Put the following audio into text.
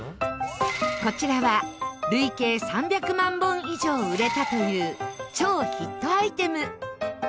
こちらは、累計３００万本以上売れたという超ヒットアイテム